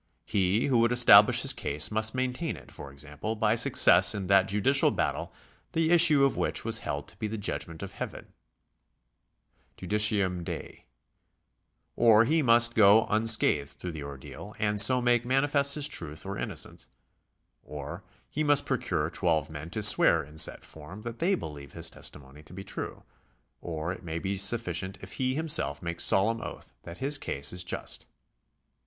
He who would establish his case must maintain it, for example, by success in that judicial battle the issue of which was held to be the judgment of Heaven {judicium Dei) ; or he must go unscathed through the ordeal, and so make manifest his truth or innocence ; or he must procure twelve men to swear in set form that they believe his testimony to be true ; or it may be sufficient if he himself makes solemn oath that his cause is just.